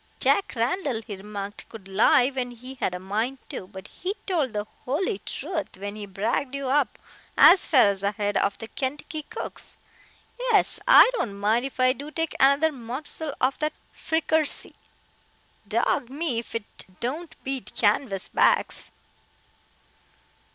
"Jack Randall," he remarked, "could lie when he had a mind to, but he told the holy truth when he bragged you up as far ahead of the Kentucky cooks. Yes, I don't mind if I do take another mossel of that frickersee. Dog me if it don't beat canvas backs."